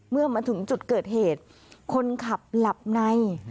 เมื่อมาถึงจุดเกิดเหตุคนขับหลับใน